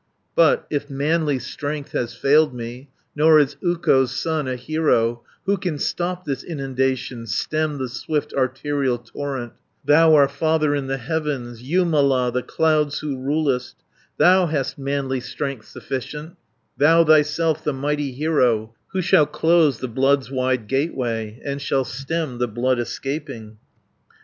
"But if manly strength has failed me, Nor is Ukko's son a hero, Who can stop this inundation, Stem the swift arterial torrent, Thou our Father in the heavens, Jumala, the clouds who rulest, Thou hast manly strength sufficient, Thou thyself the mighty hero, 400 Who shall close the blood's wide gateway, And shall stem the blood escaping.